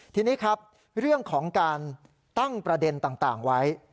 ทีนี้ครับเรื่องของการตั้งประเด็นต่างไว้